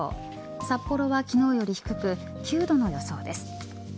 札幌は昨日より低く９度の予想です。